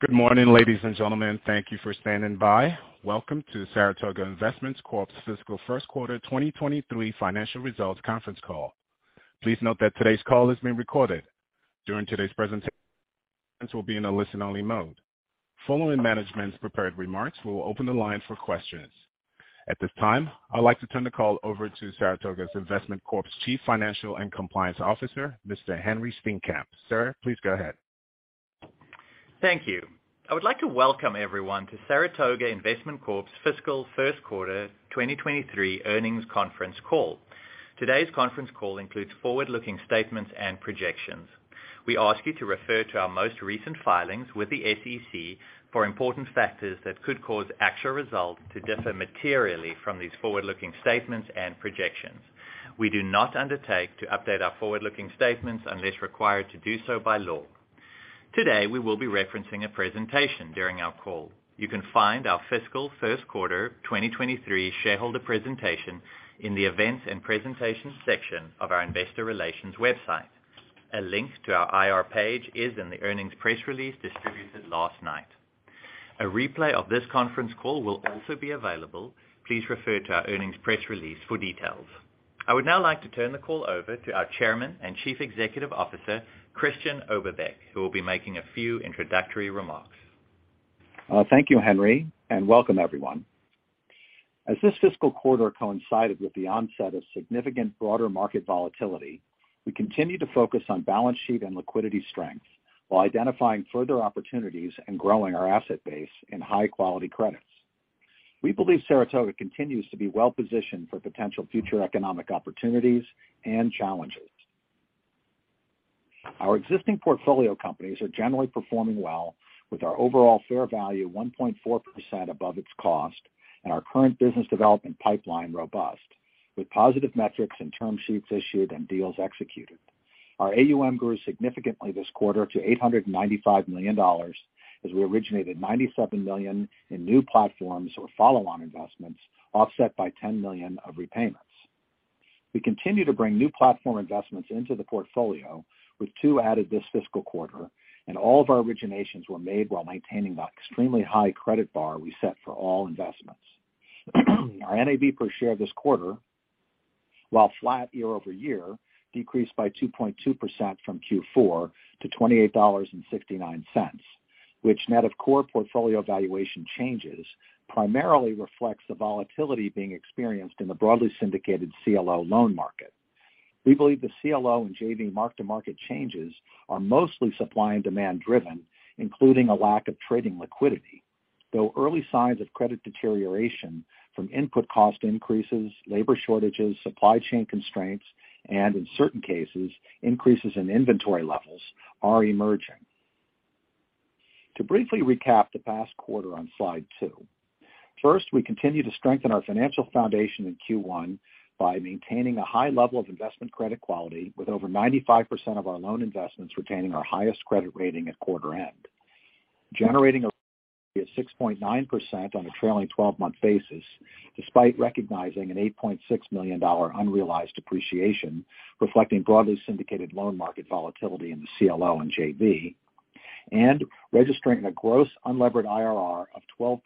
Good morning, ladies and gentlemen. Thank you for standing by. Welcome to Saratoga Investment Corp.'s Fiscal First Quarter 2023 Financial Results Conference Call. Please note that today's call is being recorded. During today's presentation, the call will be in a listen-only mode. Following management's prepared remarks, we will open the line for questions. At this time, I'd like to turn the call over to Saratoga Investment Corp.'s Chief Financial and Compliance Officer, Mr. Henri Steenkamp. Sir, please go ahead. Thank you. I would like to welcome everyone to Saratoga Investment Corp.'s Fiscal First Quarter 2023 Earnings Conference Call. Today's conference call includes forward-looking statements and projections. We ask you to refer to our most recent filings with the SEC for important factors that could cause actual results to differ materially from these forward-looking statements and projections. We do not undertake to update our forward-looking statements unless required to do so by law. Today, we will be referencing a presentation during our call. You can find our fiscal first quarter 2023 shareholder presentation in the Events and Presentations section of our investor relations website. A link to our IR page is in the earnings press release distributed last night. A replay of this conference call will also be available. Please refer to our earnings press release for details. I would now like to turn the call over to our Chairman and Chief Executive Officer, Christian Oberbeck, who will be making a few introductory remarks. Thank you, Henri, and welcome everyone. As this fiscal quarter coincided with the onset of significant broader market volatility, we continue to focus on balance sheet and liquidity strength while identifying further opportunities and growing our asset base in high-quality credits. We believe Saratoga continues to be well-positioned for potential future economic opportunities and challenges. Our existing portfolio companies are generally performing well with our overall fair value 1.4% above its cost and our current business development pipeline robust, with positive metrics and term sheets issued and deals executed. Our AUM grew significantly this quarter to $895 million as we originated $97 million in new platforms or follow-on investments, offset by $10 million of repayments. We continue to bring new platform investments into the portfolio, with two added this fiscal quarter, and all of our originations were made while maintaining the extremely high credit bar we set for all investments. Our NAV per share this quarter, while flat year-over-year, decreased by 2.2% from Q4 to $28.69, which net of core portfolio valuation changes, primarily reflects the volatility being experienced in the broadly syndicated CLO loan market. We believe the CLO and JV mark-to-market changes are mostly supply and demand driven, including a lack of trading liquidity, though early signs of credit deterioration from input cost increases, labor shortages, supply chain constraints and in certain cases, increases in inventory levels are emerging. To briefly recap the past quarter on slide two. First, we continue to strengthen our financial foundation in Q1 by maintaining a high level of investment credit quality with over 95% of our loan investments retaining our highest credit rating at quarter end, generating a 6.9% on a trailing 12-month basis, despite recognizing an $8.6 million unrealized depreciation reflecting broadly syndicated loan market volatility in the CLO and JV, and registering a gross unlevered IRR of 12%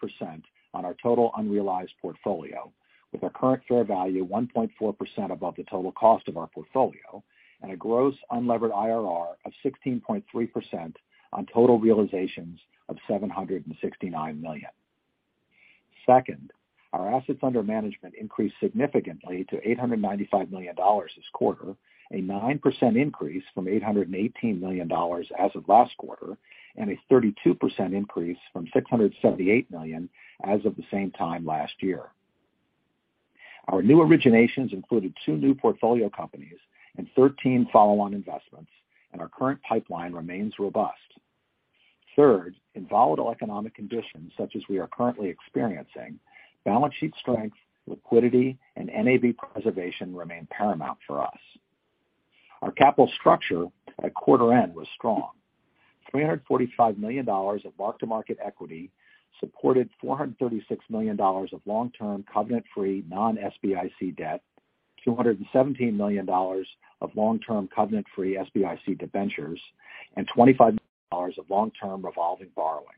on our total unrealized portfolio with our current fair value 1.4% above the total cost of our portfolio and a gross unlevered IRR of 16.3% on total realizations of $769 million. Second, our assets under management increased significantly to $895 million this quarter, a 9% increase from $818 million as of last quarter, and a 32% increase from $678 million as of the same time last year. Our new originations included two new portfolio companies and 13 follow-on investments, and our current pipeline remains robust. Third, in volatile economic conditions such as we are currently experiencing, balance sheet strength, liquidity, and NAV preservation remain paramount for us. Our capital structure at quarter end was strong. $345 million of mark-to-market equity supported $436 million of long-term covenant-free non-SBIC debt, $217 million of long-term covenant-free SBIC debentures, and $25 million of long-term revolving borrowings.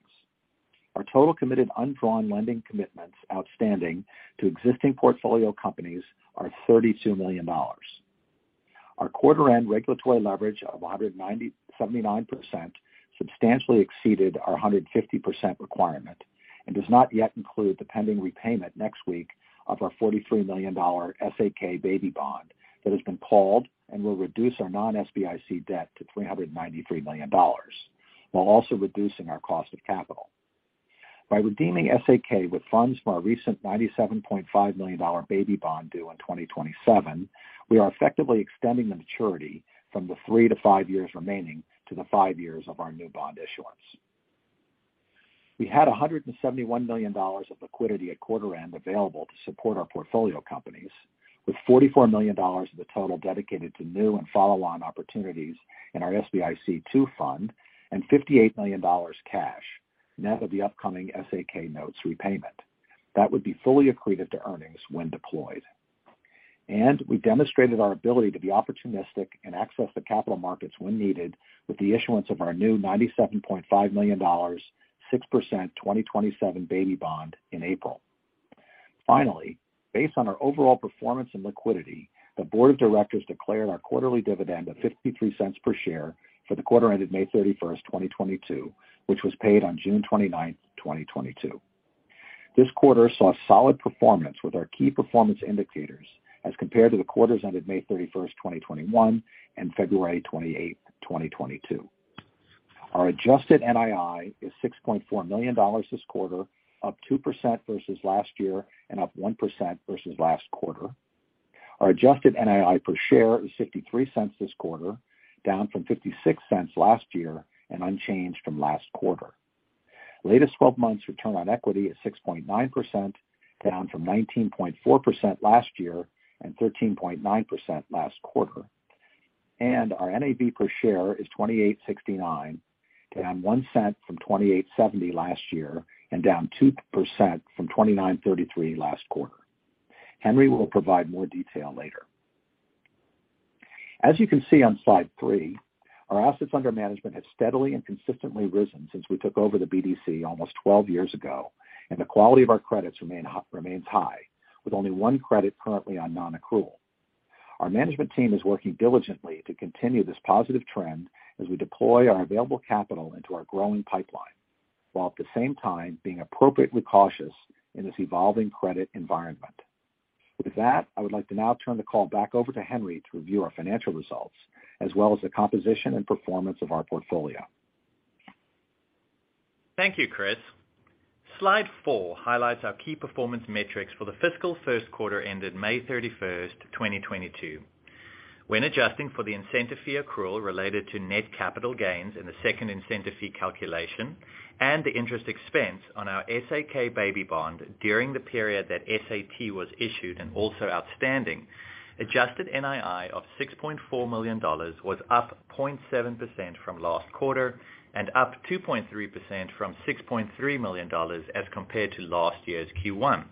Our total committed undrawn lending commitments outstanding to existing portfolio companies are $32 million. Our quarter-end regulatory leverage of 179% substantially exceeded our 150% requirement and does not yet include the pending repayment next week of our $43 million SAK baby bond that has been called and will reduce our non-SBIC debt to $393 million while also reducing our cost of capital. By redeeming SAK with funds from our recent $97.5 million baby bond due in 2027, we are effectively extending the maturity from the 3-5 years remaining to the five years of our new bond issuance. We had $171 million of liquidity at quarter end available to support our portfolio companies with $44 million of the total dedicated to new and follow-on opportunities in our SBIC II fund and $58 million cash net of the upcoming SAK notes repayment. That would be fully accreted to earnings when deployed. We've demonstrated our ability to be opportunistic and access the capital markets when needed with the issuance of our new $97.5 million, 6% 2027 baby bond in April. Finally, based on our overall performance and liquidity, the board of directors declared our quarterly dividend of $0.53 per share for the quarter ended May 31st, 2022, which was paid on June 29th, 2022. This quarter saw solid performance with our key performance indicators as compared to the quarters ended May 31st, 2021 and February 28th, 2022. Our adjusted NII is $6.4 million this quarter, up 2% versus last year and up 1% versus last quarter. Our adjusted NII per share is $0.63 this quarter, down from $0.56 last year and unchanged from last quarter. Latest 12 months return on equity is 6.9%, down from 19.4% last year and 13.9% last quarter. Our NAV per share is 28.69, down $0.01 from 28.70 last year and down 2% from 29.33 last quarter. Henri will provide more detail later. As you can see on slide three, our assets under management have steadily and consistently risen since we took over the BDC almost 12 years ago, and the quality of our credits remains high, with only one credit currently on non-accrual. Our management team is working diligently to continue this positive trend as we deploy our available capital into our growing pipeline, while at the same time being appropriately cautious in this evolving credit environment. With that, I would like to now turn the call back over to Henri to review our financial results, as well as the composition and performance of our portfolio. Thank you, Chris. Slide 4 highlights our key performance metrics for the fiscal first quarter ended May 31st, 2022. When adjusting for the incentive fee accrual related to net capital gains in the second incentive fee calculation and the interest expense on our SAK baby bond during the period that SAT was issued and also outstanding, adjusted NII of $6.4 million was up 0.7% from last quarter and up 2.3% from $6.3 million as compared to last year's Q1.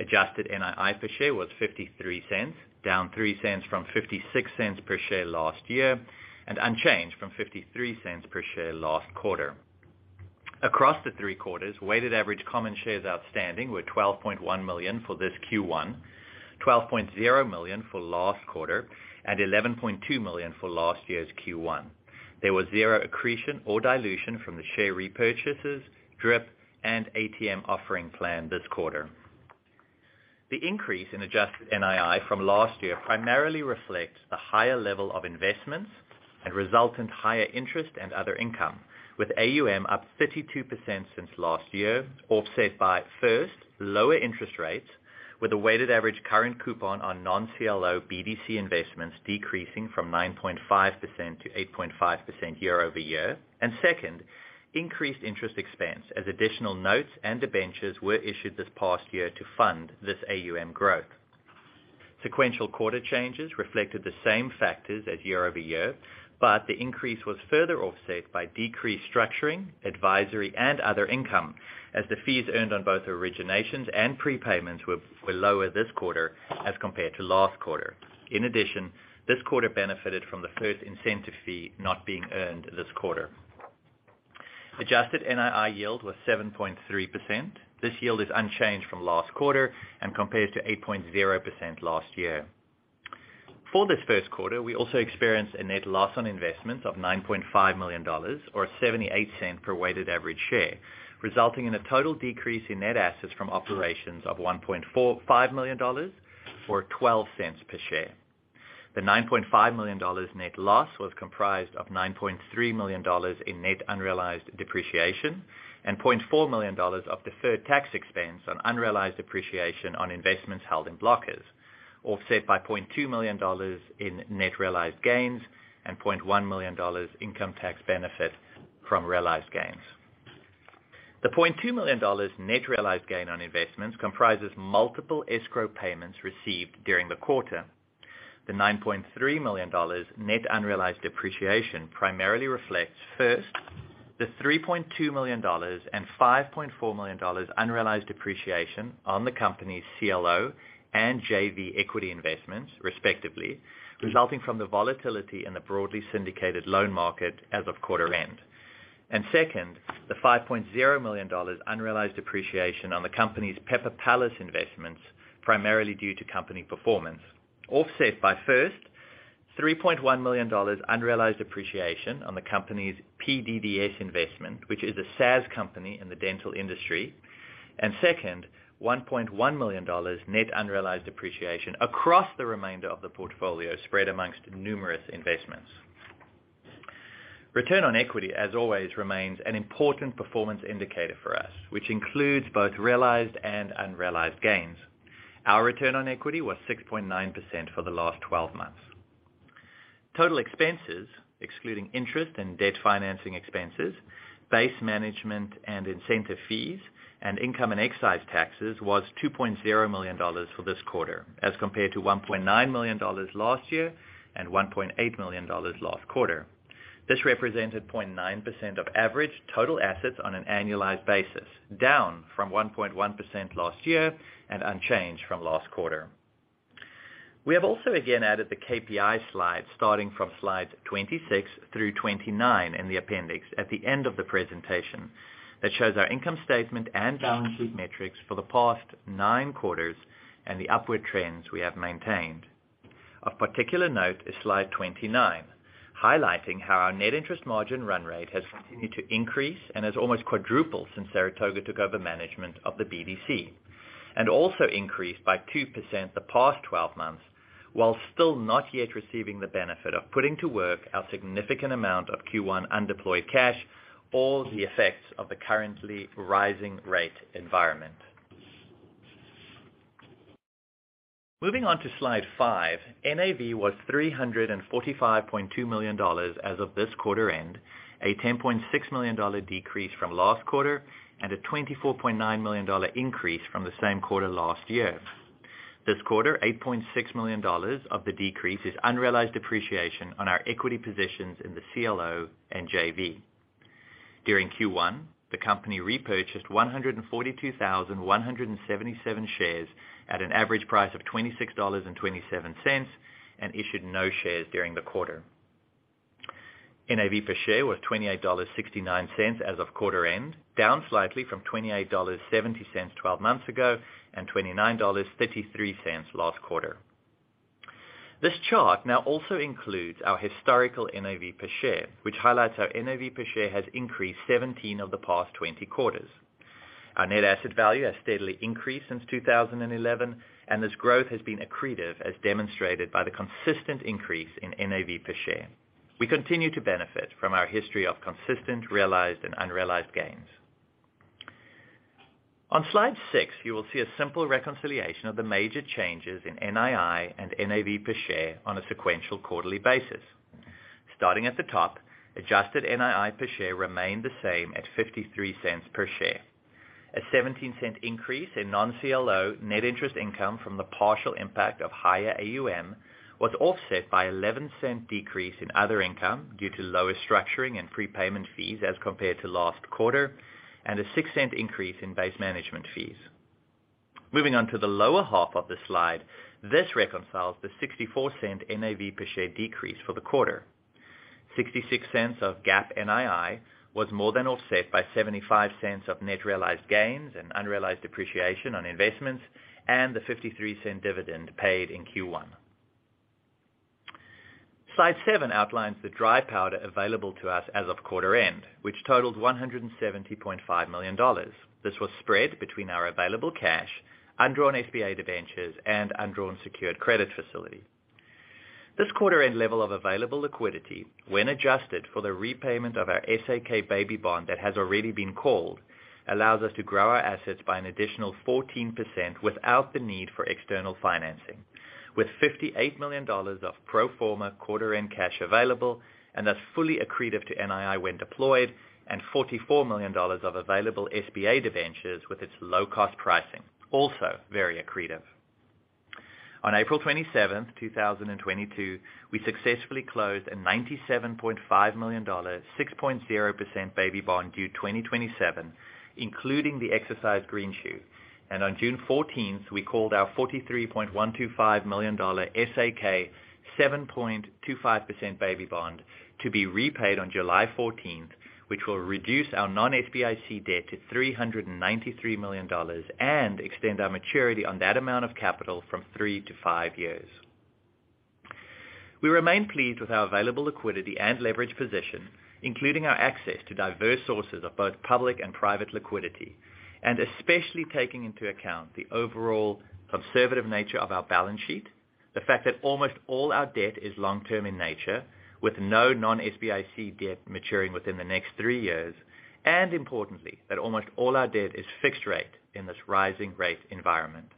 Adjusted NII per share was $0.53, down $0.03 from $0.56 per share last year, and unchanged from $0.53 per share last quarter. Across the three quarters, weighted average common shares outstanding were 12.1 million for this Q1, 12.0 million for last quarter, and 11.2 million for last year's Q1. There was zero accretion or dilution from the share repurchases, DRIP, and ATM offering plan this quarter. The increase in adjusted NII from last year primarily reflects the higher level of investments and resultant higher interest and other income, with AUM up 52% since last year, offset by, first, lower interest rates with a weighted average current coupon on non-CLO BDC investments decreasing from 9.5% to 8.5% year-over-year. Second, increased interest expense as additional notes and debentures were issued this past year to fund this AUM growth. Sequential quarter changes reflected the same factors as year-over-year, but the increase was further offset by decreased structuring, advisory, and other income, as the fees earned on both originations and prepayments were lower this quarter as compared to last quarter. In addition, this quarter benefited from the first incentive fee not being earned this quarter. Adjusted NII yield was 7.3%. This yield is unchanged from last quarter and compares to 8.0% last year. For this first quarter, we also experienced a net loss on investments of $9.5 million or $0.78 per weighted average share, resulting in a total decrease in net assets from operations of $1.5 million or $0.12 per share. The $9.5 million net loss was comprised of $9.3 million in net unrealized depreciation and $0.4 million of deferred tax expense on unrealized appreciation on investments held in blockers, offset by $0.2 million in net realized gains and $0.1 million income tax benefit from realized gains. $0.2 million net realized gain on investments comprises multiple escrow payments received during the quarter. $9.3 million net unrealized appreciation primarily reflects, first, $3.2 million and $5.4 million unrealized appreciation on the company's CLO and JV equity investments, respectively, resulting from the volatility in the broadly syndicated loan market as of quarter end. Second, $5.0 million unrealized appreciation on the company's Pepper Palace investments primarily due to company performance, offset by, first, $3.1 million unrealized depreciation on the company's p-dent investment, which is a SaaS company in the dental industry. Second, $1.1 million net unrealized appreciation across the remainder of the portfolio spread among numerous investments. Return on equity, as always, remains an important performance indicator for us, which includes both realized and unrealized gains. Our return on equity was 6.9% for the last 12 months. Total expenses, excluding interest and debt financing expenses, base management and incentive fees, and income and excise taxes, was $2.0 million for this quarter as compared to $1.9 million last year and $1.8 million last quarter. This represented 0.9% of average total assets on an annualized basis, down from 1.1% last year and unchanged from last quarter. We have also again added the KPI slide starting from slide 26 through 29 in the appendix at the end of the presentation that shows our income statement and balance sheet metrics for the past nine quarters and the upward trends we have maintained. Of particular note is slide 29, highlighting how our net interest margin run rate has continued to increase and has almost quadrupled since Saratoga took over management of the BDC, and also increased by 2% the past 12 months, while still not yet receiving the benefit of putting to work our significant amount of Q1 undeployed cash or the effects of the currently rising rate environment. Moving on to slide 5, NAV was $345.2 million as of this quarter end, a $10.6 million decrease from last quarter and a $24.9 million increase from the same quarter last year. This quarter, $8.6 million of the decrease is unrealized depreciation on our equity positions in the CLO and JV. During Q1, the company repurchased 142,177 shares at an average price of $26.27, and issued no shares during the quarter. NAV per share was $28.69 as of quarter end, down slightly from $28.70 twelve months ago and $29.33 last quarter. This chart now also includes our historical NAV per share, which highlights our NAV per share has increased 17 of the past 20 quarters. Our net asset value has steadily increased since 2011, and this growth has been accretive, as demonstrated by the consistent increase in NAV per share. We continue to benefit from our history of consistent, realized, and unrealized gains. On slide six, you will see a simple reconciliation of the major changes in NII and NAV per share on a sequential quarterly basis. Starting at the top, adjusted NII per share remained the same at $0.53 per share. A $0.17 increase in non-CLO net interest income from the partial impact of higher AUM was offset by $0.11 decrease in other income due to lower structuring and prepayment fees as compared to last quarter, and a $0.06 increase in base management fees. Moving on to the lower half of the slide. This reconciles the $0.64 NAV per share decrease for the quarter. $0.66 of GAAP NII was more than offset by $0.75 of net realized gains and unrealized appreciation on investments and the $0.53 dividend paid in Q1. Slide seven outlines the dry powder available to us as of quarter end, which totaled $170.5 million. This was spread between our available cash, undrawn SBA debentures, and undrawn secured credit facility. This quarter-end level of available liquidity, when adjusted for the repayment of our SAK baby bond that has already been called, allows us to grow our assets by an additional 14% without the need for external financing. With $58 million of pro forma quarter-end cash available, and thus fully accretive to NII when deployed, and $44 million of available SBA debentures with its low cost pricing, also very accretive. On April 27th, 2022, we successfully closed a $97.5 million, 6.0% baby bond due 2027, including the exercise green shoe. On June 14th, we called our $43.125 million SAK 7.25% baby bond to be repaid on July 14th, which will reduce our non-SBIC debt to $393 million and extend our maturity on that amount of capital from 3-5 years. We remain pleased with our available liquidity and leverage position, including our access to diverse sources of both public and private liquidity, and especially taking into account the overall conservative nature of our balance sheet, the fact that almost all our debt is long-term in nature, with no non-SBIC debt maturing within the next three years, and importantly, that almost all our debt is fixed rate in this rising rate environment.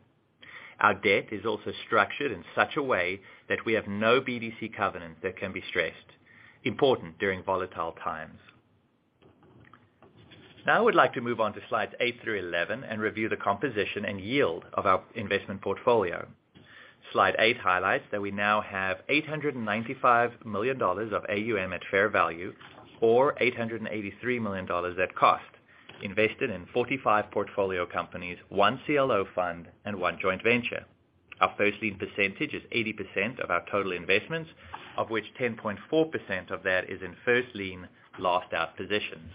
Our debt is also structured in such a way that we have no BDC covenant that can be stressed. Important during volatile times. Now I would like to move on to slides 8-11 and review the composition and yield of our investment portfolio. Slide 8 highlights that we now have $895 million of AUM at fair value or $883 million at cost, invested in 45 portfolio companies, one CLO fund and one joint venture. Our first lien percentage is 80% of our total investments, of which 10.4% of that is in first lien last out positions.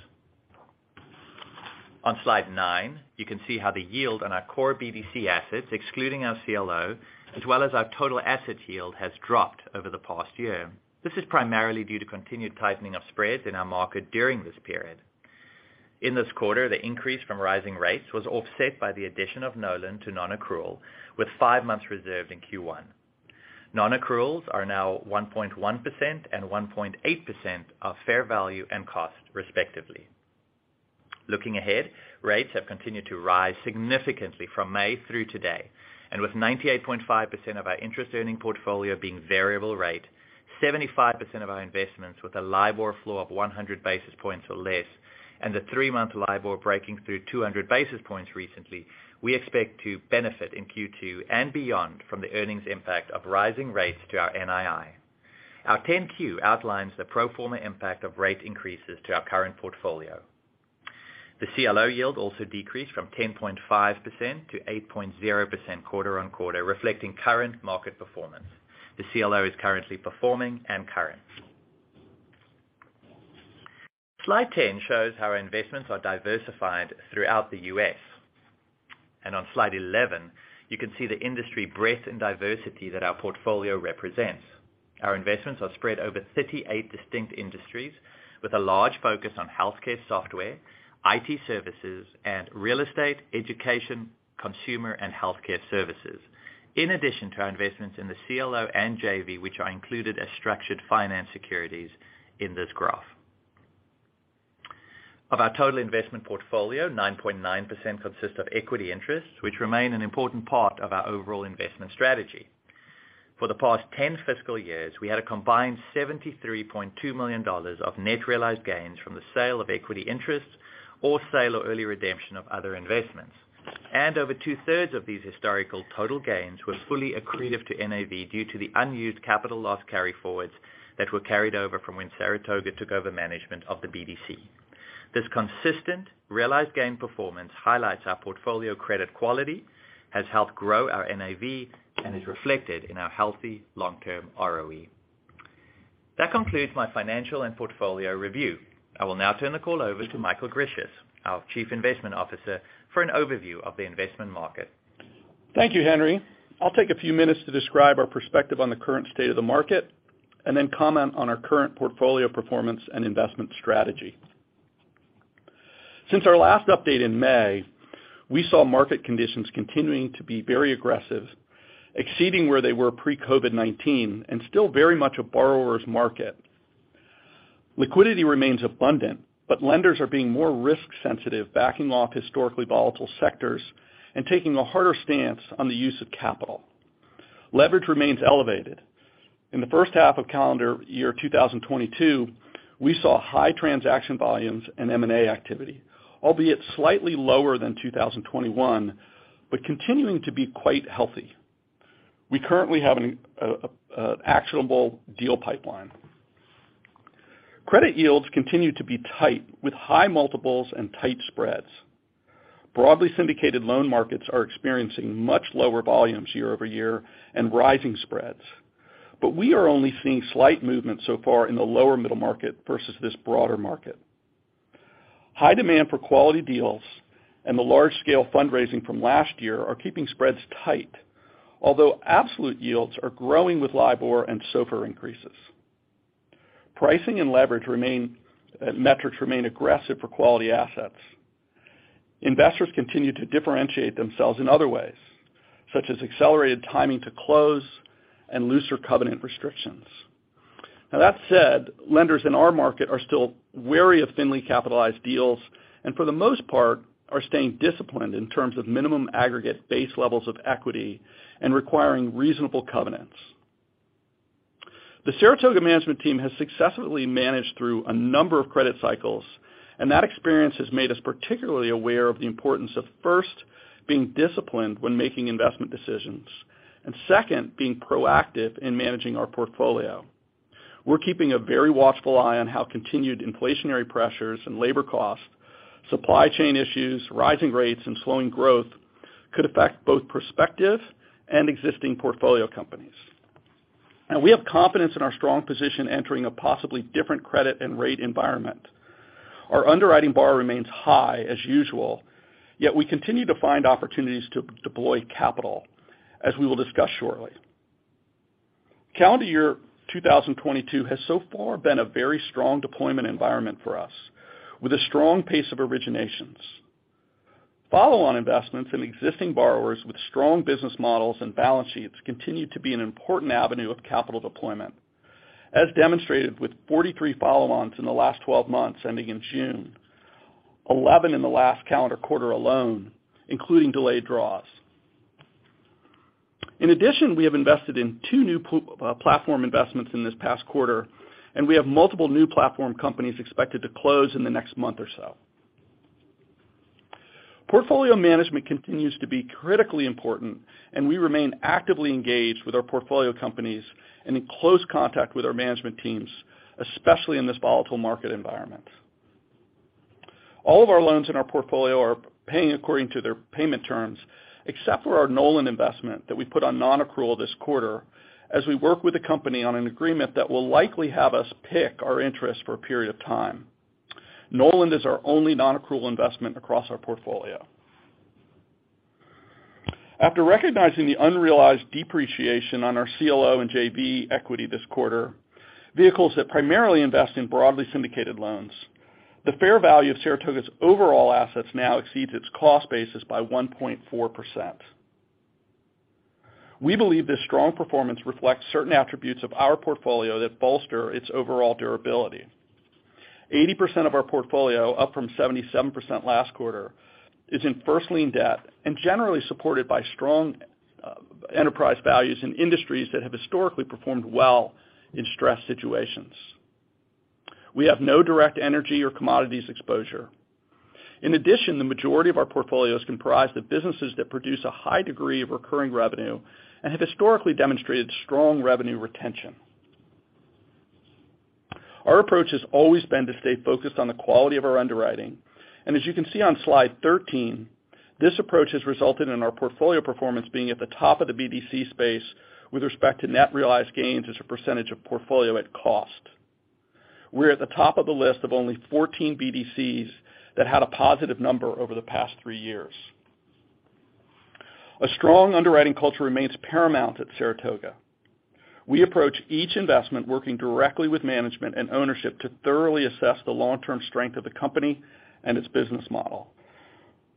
On slide 9, you can see how the yield on our core BDC assets, excluding our CLO, as well as our total asset yield, has dropped over the past year. This is primarily due to continued tightening of spreads in our market during this period. In this quarter, the increase from rising rates was offset by the addition of Knowland to non-accrual, with five months reserved in Q1. Non-accruals are now 1.1% and 1.8% of fair value and cost, respectively. Looking ahead, rates have continued to rise significantly from May through today. With 98.5% of our interest earning portfolio being variable rate, 75% of our investments with a LIBOR floor of 100 basis points or less, and the three-month LIBOR breaking through 200 basis points recently, we expect to benefit in Q2 and beyond from the earnings impact of rising rates to our NII. Our 10-Q outlines the pro forma impact of rate increases to our current portfolio. The CLO yield also decreased from 10.5% to 8.0% quarter-over-quarter, reflecting current market performance. The CLO is currently performing and current. Slide 10 shows how our investments are diversified throughout the U.S. On slide 11, you can see the industry breadth and diversity that our portfolio represents. Our investments are spread over 38 distinct industries with a large focus on healthcare software, IT services, and real estate, education, consumer, and healthcare services. In addition to our investments in the CLO and JV, which are included as structured finance securities in this graph. Of our total investment portfolio, 9.9% consists of equity interests, which remain an important part of our overall investment strategy. For the past 10 fiscal years, we had a combined $73.2 million of net realized gains from the sale of equity interests or sale or early redemption of other investments. Over two-thirds of these historical total gains were fully accretive to NAV due to the unused capital loss carryforwards that were carried over from when Saratoga took over management of the BDC. This consistent realized gain performance highlights our portfolio credit quality, has helped grow our NAV, and is reflected in our healthy long-term ROE. That concludes my financial and portfolio review. I will now turn the call over to Michael Grisius, our Chief Investment Officer, for an overview of the investment market. Thank you, Henri. I'll take a few minutes to describe our perspective on the current state of the market, and then comment on our current portfolio performance and investment strategy. Since our last update in May, we saw market conditions continuing to be very aggressive, exceeding where they were pre-COVID-19, and still very much a borrower's market. Liquidity remains abundant, but lenders are being more risk sensitive, backing off historically volatile sectors and taking a harder stance on the use of capital. Leverage remains elevated. In the first half of calendar year 2022, we saw high transaction volumes and M&A activity, albeit slightly lower than 2021, but continuing to be quite healthy. We currently have an actionable deal pipeline. Credit yields continue to be tight with high multiples and tight spreads. Broadly syndicated loan markets are experiencing much lower volumes year-over-year and rising spreads, but we are only seeing slight movement so far in the lower middle market versus this broader market. High demand for quality deals and the large-scale fundraising from last year are keeping spreads tight. Although absolute yields are growing with LIBOR and SOFR increases. Pricing and leverage remain, metrics remain aggressive for quality assets. Investors continue to differentiate themselves in other ways, such as accelerated timing to close and looser covenant restrictions. Now that said, lenders in our market are still wary of thinly capitalized deals, and for the most part, are staying disciplined in terms of minimum aggregate base levels of equity and requiring reasonable covenants. The Saratoga management team has successfully managed through a number of credit cycles, and that experience has made us particularly aware of the importance of, first, being disciplined when making investment decisions, and second, being proactive in managing our portfolio. We're keeping a very watchful eye on how continued inflationary pressures and labor costs, supply chain issues, rising rates, and slowing growth could affect both prospective and existing portfolio companies. We have confidence in our strong position entering a possibly different credit and rate environment. Our underwriting bar remains high as usual, yet we continue to find opportunities to deploy capital, as we will discuss shortly. Calendar year 2022 has so far been a very strong deployment environment for us with a strong pace of originations. Follow-on investments in existing borrowers with strong business models and balance sheets continue to be an important avenue of capital deployment, as demonstrated with 43 follow-ons in the last 12 months ending in June. 11 in the last calendar quarter alone, including delayed draws. In addition, we have invested in two new platform investments in this past quarter, and we have multiple new platform companies expected to close in the next month or so. Portfolio management continues to be critically important, and we remain actively engaged with our portfolio companies and in close contact with our management teams, especially in this volatile market environment. All of our loans in our portfolio are paying according to their payment terms, except for our Knowland investment that we put on non-accrual this quarter as we work with the company on an agreement that will likely have us pick our interest for a period of time. Knowland is our only non-accrual investment across our portfolio. After recognizing the unrealized depreciation on our CLO and JV equity this quarter, vehicles that primarily invest in broadly syndicated loans. The fair value of Saratoga's overall assets now exceeds its cost basis by 1.4%. We believe this strong performance reflects certain attributes of our portfolio that bolster its overall durability. 80% of our portfolio, up from 77% last quarter, is in first lien debt and generally supported by strong enterprise values in industries that have historically performed well in stress situations. We have no direct energy or commodities exposure. In addition, the majority of our portfolios comprise the businesses that produce a high degree of recurring revenue and have historically demonstrated strong revenue retention. Our approach has always been to stay focused on the quality of our underwriting. As you can see on slide 13, this approach has resulted in our portfolio performance being at the top of the BDC space with respect to net realized gains as a percentage of portfolio at cost. We're at the top of the list of only 14 BDCs that had a positive number over the past three years. A strong underwriting culture remains paramount at Saratoga. We approach each investment working directly with management and ownership to thoroughly assess the long-term strength of the company and its business model.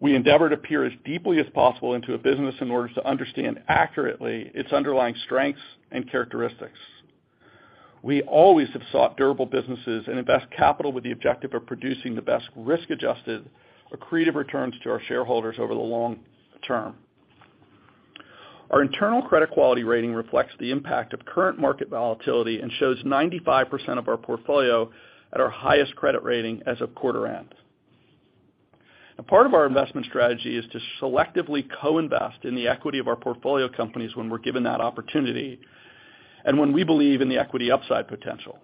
We endeavor to peer as deeply as possible into a business in order to understand accurately its underlying strengths and characteristics. We always have sought durable businesses and invest capital with the objective of producing the best risk-adjusted accretive returns to our shareholders over the long term. Our internal credit quality rating reflects the impact of current market volatility and shows 95% of our portfolio at our highest credit rating as of quarter end. A part of our investment strategy is to selectively co-invest in the equity of our portfolio companies when we're given that opportunity and when we believe in the equity upside potential.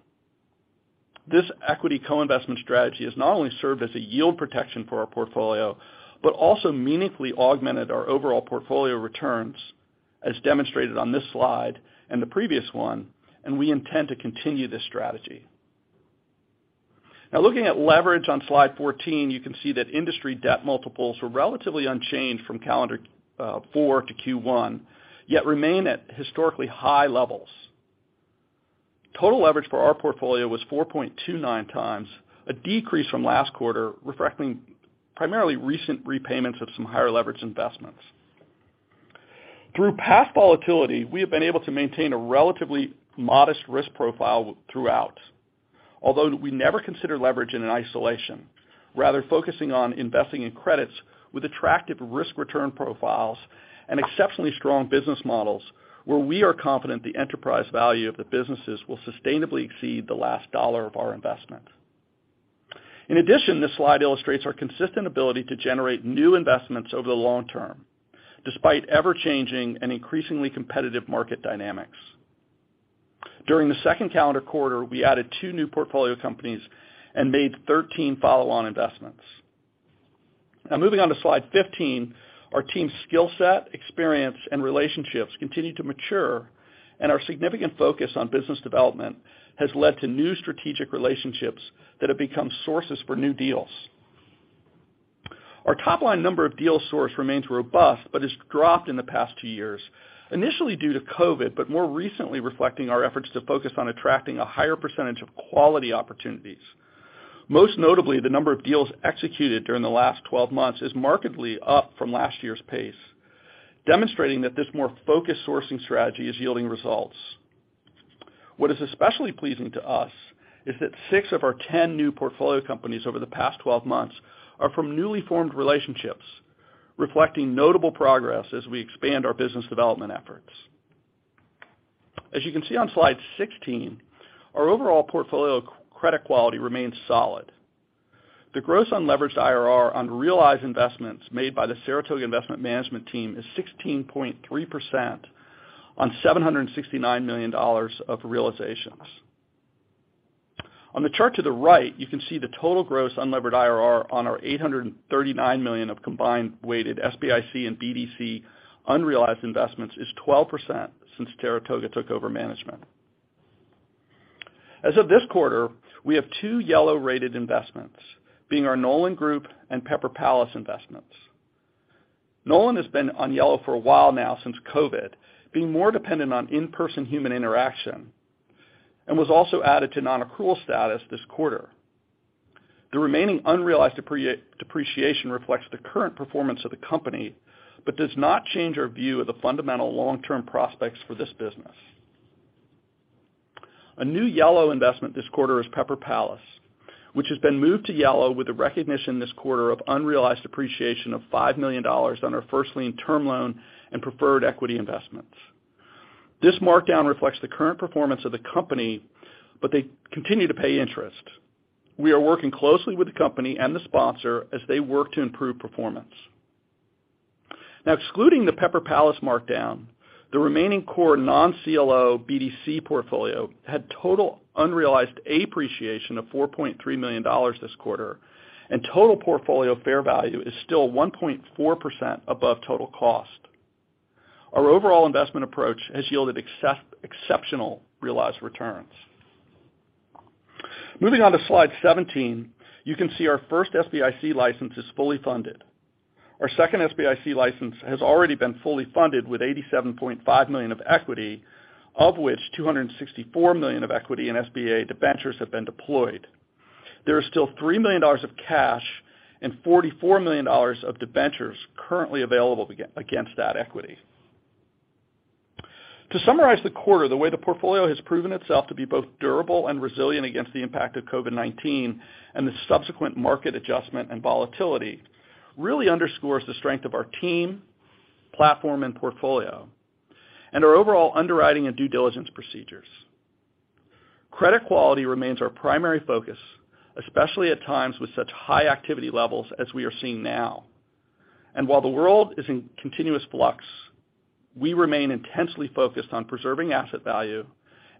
This equity co-investment strategy has not only served as a yield protection for our portfolio, but also meaningfully augmented our overall portfolio returns, as demonstrated on this slide and the previous one, and we intend to continue this strategy. Now looking at leverage on slide 14, you can see that industry debt multiples were relatively unchanged from calendar Q4 to Q1, yet remain at historically high levels. Total leverage for our portfolio was 4.29x, a decrease from last quarter, reflecting primarily recent repayments of some higher leverage investments. Through past volatility, we have been able to maintain a relatively modest risk profile throughout. Although we never consider leverage in isolation, rather focusing on investing in credits with attractive risk-return profiles and exceptionally strong business models where we are confident the enterprise value of the businesses will sustainably exceed the last dollar of our investment. In addition, this slide illustrates our consistent ability to generate new investments over the long term, despite ever-changing and increasingly competitive market dynamics. During the second calendar quarter, we added two new portfolio companies and made 13 follow-on investments. Now moving on to slide 15. Our team's skill set, experience, and relationships continue to mature, and our significant focus on business development has led to new strategic relationships that have become sources for new deals. Our top-line number of deal sources remains robust but has dropped in the past two years, initially due to COVID, but more recently reflecting our efforts to focus on attracting a higher percentage of quality opportunities. Most notably, the number of deals executed during the last 12 months is markedly up from last year's pace, demonstrating that this more focused sourcing strategy is yielding results. What is especially pleasing to us is that six of our 10 new portfolio companies over the past 12 months are from newly formed relationships, reflecting notable progress as we expand our business development efforts. As you can see on slide 16, our overall portfolio credit quality remains solid. The gross unleveraged IRR on realized investments made by the Saratoga Investment Management team is 16.3% on $769 million of realizations. On the chart to the right, you can see the total gross unlevered IRR on our $839 million of combined weighted SBIC and BDC unrealized investments is 12% since Saratoga took over management. As of this quarter, we have two yellow-rated investments, being our Knowland Group and Pepper Palace investments. Knowland has been on yellow for a while now since COVID, being more dependent on in-person human interaction and was also added to non-accrual status this quarter. The remaining unrealized depreciation reflects the current performance of the company but does not change our view of the fundamental long-term prospects for this business. A new yellow investment this quarter is Pepper Palace, which has been moved to yellow with the recognition this quarter of unrealized appreciation of $5 million on our first lien term loan and preferred equity investments. This markdown reflects the current performance of the company, but they continue to pay interest. We are working closely with the company and the sponsor as they work to improve performance. Now excluding the Pepper Palace markdown, the remaining core non-CLO BDC portfolio had total unrealized appreciation of $4.3 million this quarter, and total portfolio fair value is still 1.4% above total cost. Our overall investment approach has yielded exceptional realized returns. Moving on to slide 17, you can see our first SBIC license is fully funded. Our second SBIC license has already been fully funded with $87.5 million of equity, of which $264 million of equity in SBA debentures have been deployed. There is still $3 million of cash and $44 million of debentures currently available against that equity. To summarize the quarter, the way the portfolio has proven itself to be both durable and resilient against the impact of COVID-19 and the subsequent market adjustment and volatility really underscores the strength of our team, platform, and portfolio, and our overall underwriting and due diligence procedures. Credit quality remains our primary focus, especially at times with such high activity levels as we are seeing now. While the world is in continuous flux, we remain intensely focused on preserving asset value,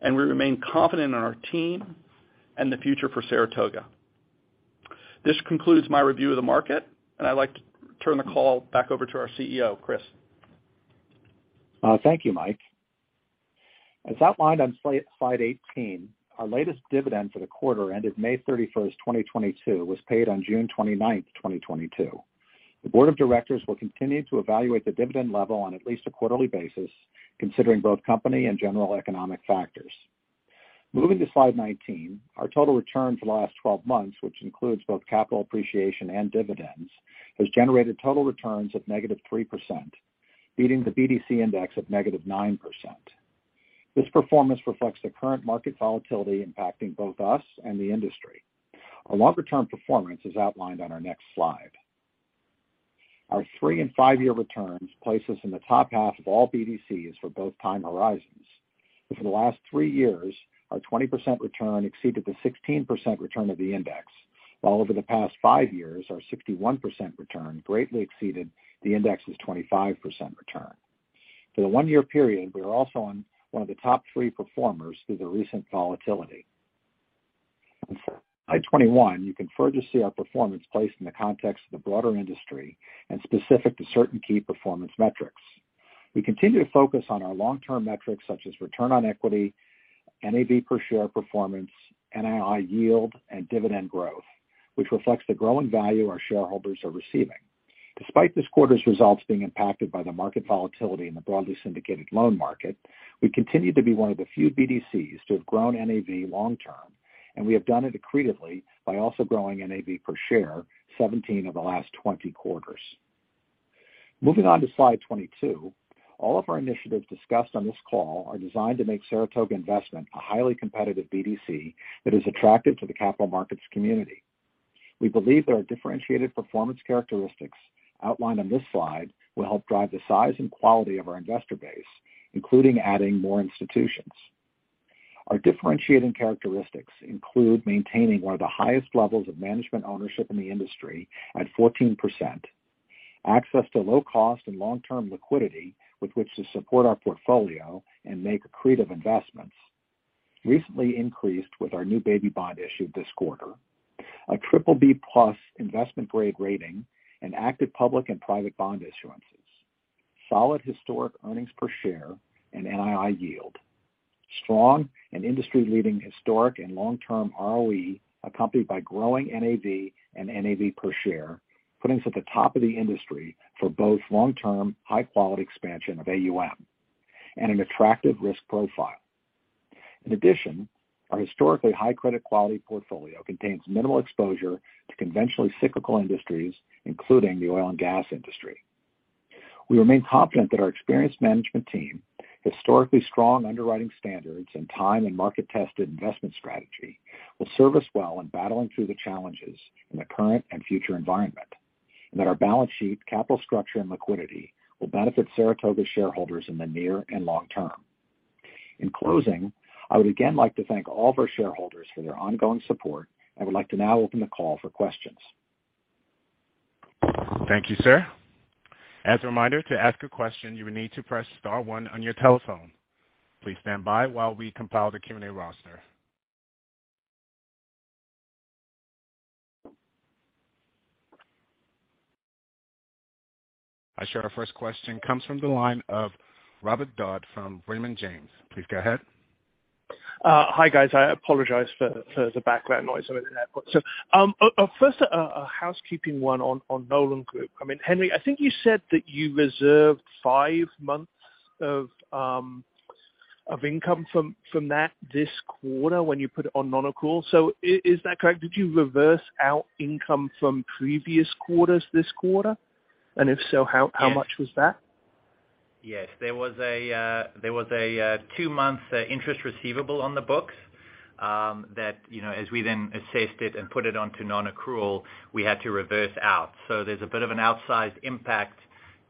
and we remain confident in our team and the future for Saratoga. This concludes my review of the market, and I'd like to turn the call back over to our CEO, Chris. Thank you, Mike. As outlined on slide 18, our latest dividend for the quarter ended May 31st, 2022, was paid on June 29th, 2022. The board of directors will continue to evaluate the dividend level on at least a quarterly basis, considering both company and general economic factors. Moving to slide 19. Our total return for the last 12 months, which includes both capital appreciation and dividends, has generated total returns of -3%, beating the BDC index of -9%. This performance reflects the current market volatility impacting both us and the industry. Our longer term performance is outlined on our next slide. Our three and five-year returns place us in the top half of all BDCs for both time horizons. For the last three years, our 20% return exceeded the 16% return of the index, while over the past five years, our 61% return greatly exceeded the index's 25% return. For the one-year period, we are also one of the top three performers through the recent volatility. On slide 21, you can further see our performance placed in the context of the broader industry and specific to certain key performance metrics. We continue to focus on our long-term metrics such as return on equity, NAV per share performance, NII yield, and dividend growth, which reflects the growing value our shareholders are receiving. Despite this quarter's results being impacted by the market volatility in the broadly syndicated loan market, we continue to be one of the few BDCs to have grown NAV long term, and we have done it accretively by also growing NAV per share 17 of the last 20 quarters. Moving on to slide 22. All of our initiatives discussed on this call are designed to make Saratoga Investment a highly competitive BDC that is attractive to the capital markets community. We believe that our differentiated performance characteristics outlined on this slide will help drive the size and quality of our investor base, including adding more institutions. Our differentiating characteristics include maintaining one of the highest levels of management ownership in the industry at 14%, access to low cost and long-term liquidity with which to support our portfolio and make accretive investments. Recently increased with our new baby bond issued this quarter, a triple B plus investment grade rating and active public and private bond issuances, solid historic earnings per share and NII yield, strong and industry-leading historic and long-term ROE, accompanied by growing NAV and NAV per share, putting us at the top of the industry for both long-term, high-quality expansion of AUM and an attractive risk profile. In addition, our historically high credit quality portfolio contains minimal exposure to conventionally cyclical industries, including the oil and gas industry. We remain confident that our experienced management team, historically strong underwriting standards and time and market-tested investment strategy, will serve us well in battling through the challenges in the current and future environment, and that our balance sheet, capital structure, and liquidity will benefit Saratoga shareholders in the near and long term. In closing, I would again like to thank all of our shareholders for their ongoing support. I would like to now open the call for questions. Thank you, sir. As a reminder, to ask a question, you will need to press star one on your telephone. Please stand by while we compile the Q&A roster. I show our first question comes from the line of Robert Dodd from Raymond James. Please go ahead. Hi, guys. I apologize for the background noise I've got. First a housekeeping one on Knowland Group. I mean, Henri, I think you said that you reserved five months of income from that this quarter when you put it on non-accrual. Is that correct? Did you reverse out income from previous quarters this quarter? If so, how much was that? Yes. There was a two-month interest receivable on the books, you know, as we then assessed it and put it onto non-accrual, we had to reverse out. There's a bit of an outsized impact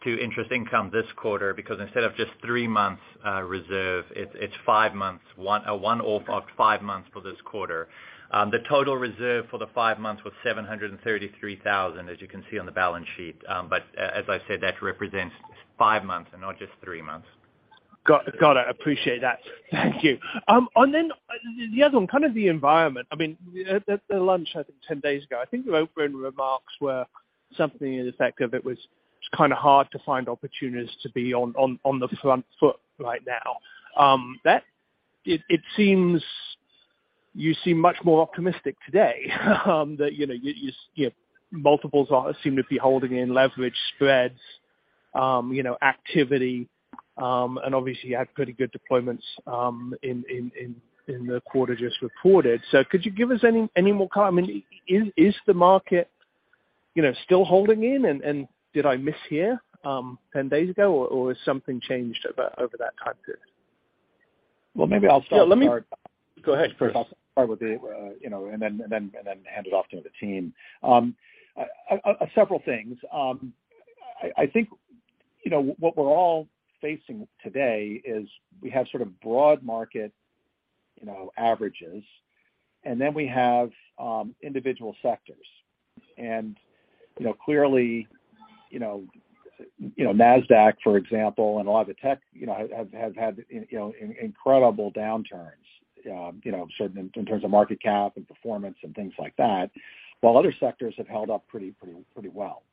to interest income this quarter because instead of just three months reserve, it's five months. One off of five months for this quarter. The total reserve for the five months was $733,000, as you can see on the balance sheet. As I said, that represents five months and not just three months. Got it. Appreciate that. Thank you. The other one, kind of the environment. I mean, at the lunch I think 10 days ago, I think your opening remarks were something to the effect of it was just kinda hard to find opportunities to be on the front foot right now. It seems you seem much more optimistic today, that you know multiples seem to be holding in leverage spreads, you know, activity, and obviously had pretty good deployments in the quarter just reported. Could you give us any more color? I mean, is the market you know still holding in and did I mishear 10 days ago, or has something changed over that time period? Well, maybe I'll start. Yeah, let me. Go ahead, Chris. I'll start with the and then hand it off to the team. Several things. I think what we're all facing today is we have sort of broad market averages. We have individual sectors. Clearly, Nasdaq, for example, and a lot of the tech have had incredible downturns, certain in terms of market cap and performance and things like that, while other sectors have held up pretty well.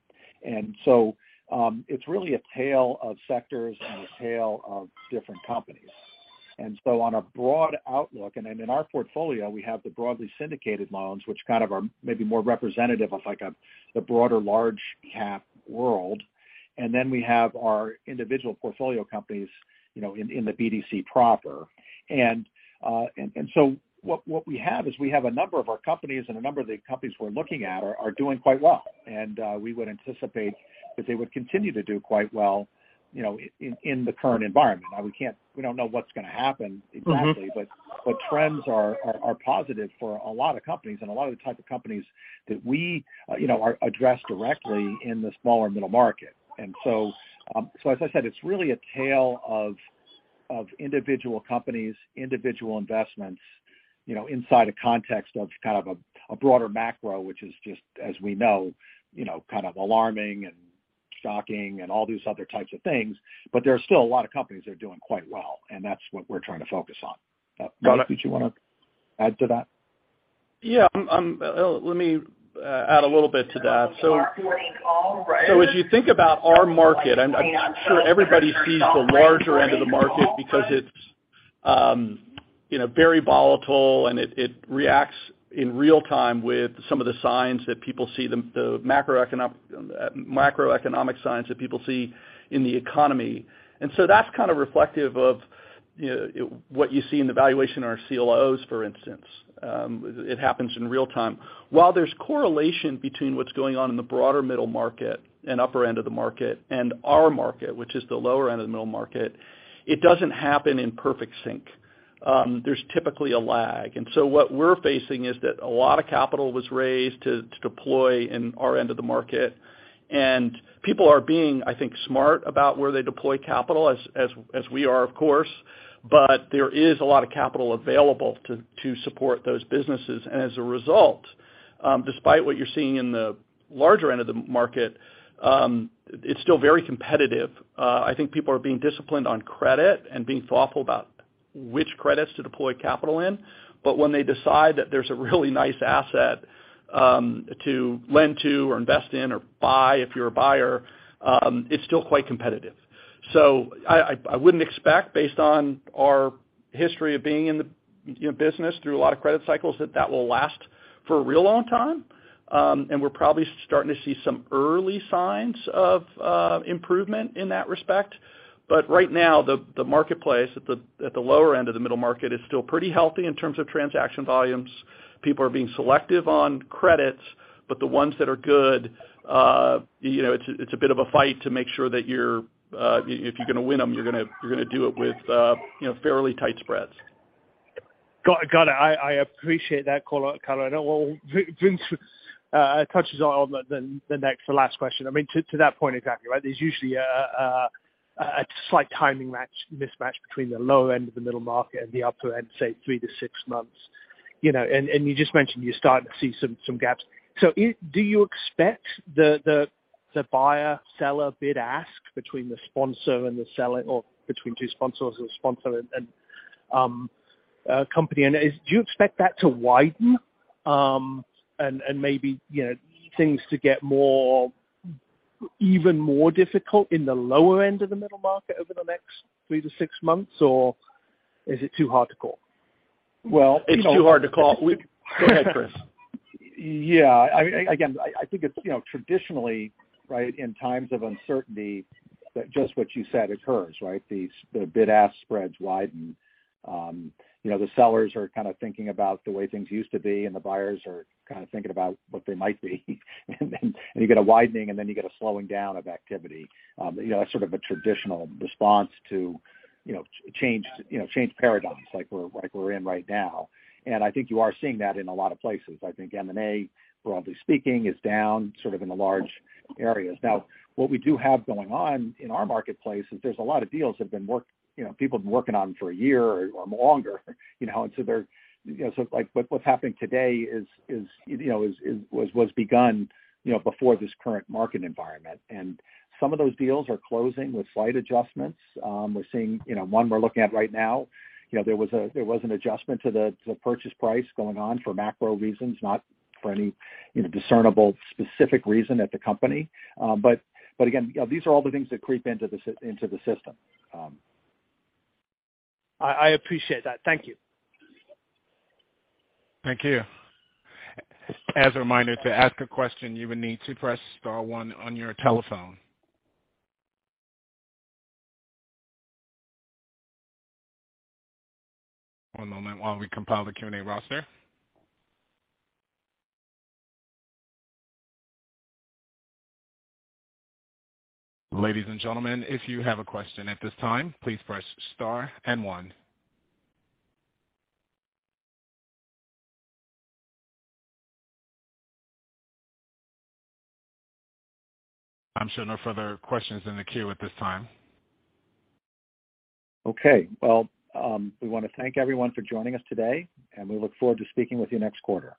It's really a tale of sectors and a tale of different companies. On a broad outlook and then in our portfolio, we have the broadly syndicated loans, which kind of are maybe more representative of like the broader large cap world. We have our individual portfolio companies, you know, in the BDC proper. What we have is we have a number of our companies and a number of the companies we're looking at are doing quite well. We would anticipate that they would continue to do quite well, you know, in the current environment. Now we don't know what's gonna happen exactly. Trends are positive for a lot of companies and a lot of the type of companies that we, you know, are addressed directly in the smaller middle market. As I said, it's really a tale of individual companies, individual investments, you know, inside a context of kind of a broader macro, which is just as we know, you know, kind of alarming and shocking and all these other types of things. There are still a lot of companies that are doing quite well, and that's what we're trying to focus on. Got it. Vince, would you wanna add to that? Yeah. Let me add a little bit to that. Our morning call, right? As you think about our market, I'm sure everybody sees the larger end of the market because it's, you know, very volatile and it reacts in real time with some of the signs that people see, the macroeconomic signs that people see in the economy. That's kind of reflective of, you know, what you see in the valuation in our CLOs, for instance. It happens in real time. While there's correlation between what's going on in the broader middle market and upper end of the market and our market, which is the lower end of the middle market, it doesn't happen in perfect sync. There's typically a lag. What we're facing is that a lot of capital was raised to deploy in our end of the market. People are being, I think, smart about where they deploy capital as we are, of course. There is a lot of capital available to support those businesses. As a result, despite what you're seeing in the larger end of the market, it's still very competitive. I think people are being disciplined on credit and being thoughtful about which credits to deploy capital in, but when they decide that there's a really nice asset to lend to or invest in or buy if you're a buyer, it's still quite competitive. I wouldn't expect based on our history of being in the, you know, business through a lot of credit cycles that will last for a real long time. We're probably starting to see some early signs of improvement in that respect. Right now the marketplace at the lower end of the middle market is still pretty healthy in terms of transaction volumes. People are being selective on credits, but the ones that are good, you know, it's a bit of a fight to make sure that you're, if you're gonna win them, you're gonna do it with, you know, fairly tight spreads. Got it. I appreciate that call, color. Now, well, Vince touches on the next to last question. I mean, to that point exactly, right? There's usually a slight timing mismatch between the lower end of the middle market and the upper end, say 3-6 months, you know, and you just mentioned you're starting to see some gaps. Do you expect the buyer-seller bid-ask between the sponsor and the seller or between two sponsors or sponsor and company and do you expect that to widen and maybe, you know, things to get more even more difficult in the lower end of the middle market over the next 3-6 months, or is it too hard to call? Well It's too hard to call. Go ahead, Chris. Yeah. I think it's, you know, traditionally, right, in times of uncertainty that just what you said occurs, right? The bid ask spreads widen. You know, the sellers are kinda thinking about the way things used to be and the buyers are kinda thinking about what they might be. You get a widening, and then you get a slowing down of activity. You know, that's sort of a traditional response to, you know, changed paradigms like we're in right now. I think you are seeing that in a lot of places. I think M&A, broadly speaking, is down sort of in the large areas. Now, what we do have going on in our marketplace is there's a lot of deals that have been worked, you know, people have been working on for a year or longer, you know, and so they're, you know, so like what's happening today was begun, you know, before this current market environment. Some of those deals are closing with slight adjustments. We're seeing, you know, one we're looking at right now, you know, there was an adjustment to the purchase price going on for macro reasons, not for any, you know, discernible specific reason at the company. But again, you know, these are all the things that creep into the system. I appreciate that. Thank you. Thank you. As a reminder, to ask a question, you will need to press star one on your telephone. One moment while we compile the Q&A roster. Ladies and gentlemen, if you have a question at this time, please press star and one. I'm showing no further questions in the queue at this time. Okay. Well, we wanna thank everyone for joining us today, and we look forward to speaking with you next quarter.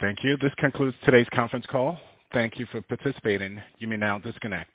Thank you. This concludes today's conference call. Thank you for participating. You may now disconnect.